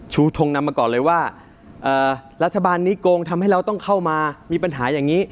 ทงนำมาก่อนเลยว่ารัฐบาลนี้โกงทำให้เราต้องเข้ามามีปัญหาอย่างนี้